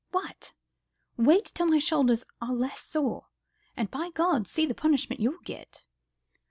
What? Wait till my shoulders are less sore, and, by Gad, see the punishment you'll get."